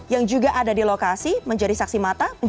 yang juga ada di lokasi menjadi saksi mata menjadi juga penyelesaian